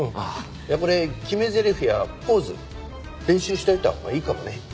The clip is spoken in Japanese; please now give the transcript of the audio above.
これ決めゼリフやポーズ練習しといたほうがいいかもね。